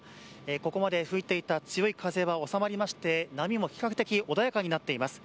ここまで吹いていた強い風は収まりまして波も比較的穏やかになっています。